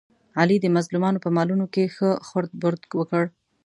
علي د مظلومانو په مالونو کې ښه خورد برد وکړ.